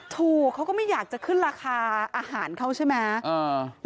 เขาก็ไม่อยากจะขึ้นราคาอาหารเขาใช่ไหม